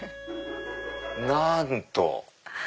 なんと！